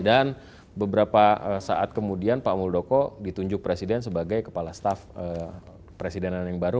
dan beberapa saat kemudian pak muldoko ditunjuk presiden sebagai kepala staf presidenan yang baru